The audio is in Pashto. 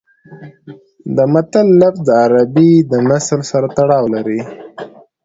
د متل لفظ د عربي د مثل سره تړاو لري